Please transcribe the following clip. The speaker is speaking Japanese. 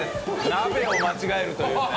鍋を間違えるというね。